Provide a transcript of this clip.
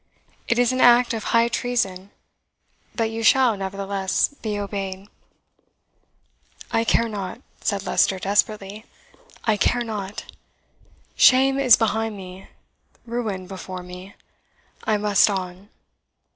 It is an act of high treason, but you shall nevertheless be obeyed." "I care not," said Leicester desperately "I care not. Shame is behind me, ruin before me; I must on."